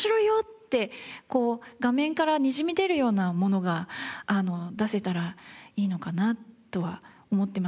って画面からにじみ出るようなものが出せたらいいのかなとは思っています。